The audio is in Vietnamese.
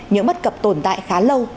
những bất cập tồn tại khá lâu